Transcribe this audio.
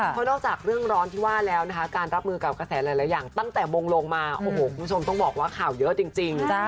เพราะนอกจากเรื่องร้อนที่ว่าแล้วนะคะการรับมือกับกระแสหลายอย่างตั้งแต่มงลงมาโอ้โหคุณผู้ชมต้องบอกว่าข่าวเยอะจริง